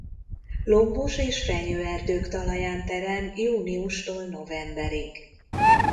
Lombos- és fenyőerdők talaján terem júniustól novemberig.